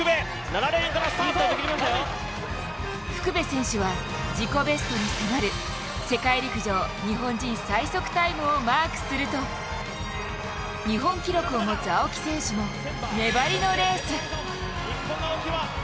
福部選手は自己ベストに迫る世界陸上、日本人最速タイムをマークすると日本記録を持つ青木選手も、粘りのレース。